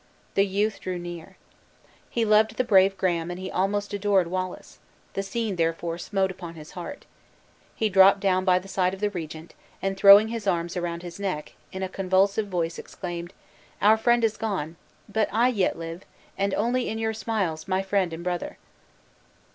The youth drew near. He loved the brave Graham, and he almost adored Wallace; the scene, therefore, smote upon his heart. He dropped down by the side of the regent, and, throwing his arms around his neck, in a convulsive voice exclaimed: "Our friend is gone; but I yet live, and only in your smiles, my friend and brother!"